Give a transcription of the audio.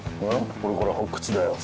これから発掘だよ。